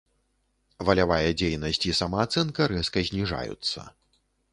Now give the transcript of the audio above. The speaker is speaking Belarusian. Валявая дзейнасць і самаацэнка рэзка зніжаюцца.